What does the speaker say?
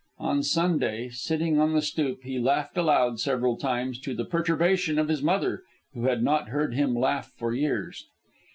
On Sunday, sitting on the stoop, he laughed aloud, several times, to the perturbation of his mother, who had not heard him laugh for years.